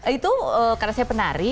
itu karena saya penari